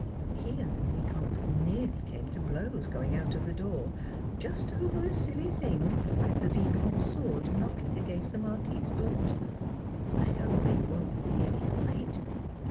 He and the Vicomte nearly came to blows going out of the door, just over a silly thing like the Vicomte's sword knocking against the Marquis's boot. I hope they won't really fight.